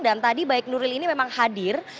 dan tadi baik nuril ini memang hadir